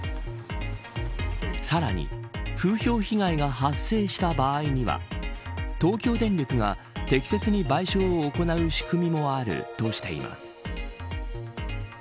さらに、風評被害が発生した場合には東京電力が適切に賠償を行う仕組みもあるとしています。